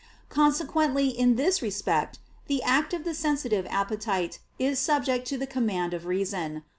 Consequently in this respect the act of the sensitive appetite is subject to the command of reason.